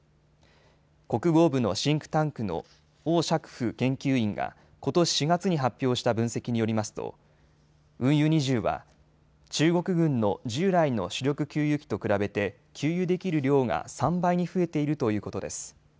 国防部のシンクタンクの欧錫富研究員が、ことし４月に発表した分析によりますと運油２０は中国軍の従来の主力給油機と比べて給油できる量が３倍に増えているということです。